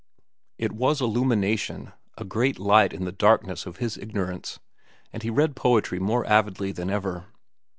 It was illumination, a great light in the darkness of his ignorance, and he read poetry more avidly than ever.